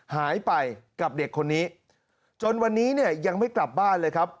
หายไปกับเด็กคนนี้จนวันนี้เนี่ยยังไม่กลับบ้านเลยครับ